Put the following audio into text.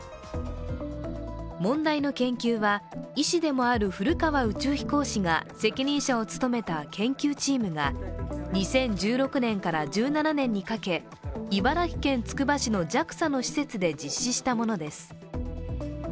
問題の研究は、医師でもある古川宇宙飛行士が責任者を務めた研究チームが２０１６年から１７年にかけ茨城県つくば市のＪＡＸＡの施設で実施したものです。